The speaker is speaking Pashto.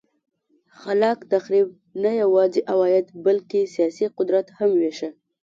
خلاق تخریب نه یوازې عواید بلکه سیاسي قدرت هم وېشه.